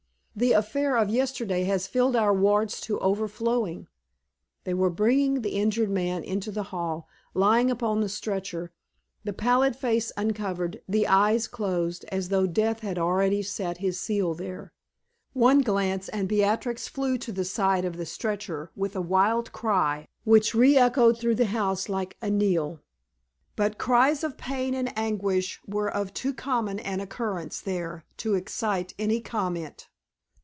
The affair of yesterday has filled our wards to overflowing." They were bringing the injured man into the hall, lying upon a stretcher, the pallid face uncovered, the eyes closed, as though Death had already set his seal there. One glance, and Beatrix flew to the side of the stretcher with a wild cry which re echoed through the house like a knell. But cries of pain and anguish were of too common an occurrence there to excite any comment.